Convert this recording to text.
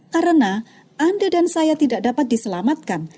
karena anda dan saya tidak dapat diselamatkan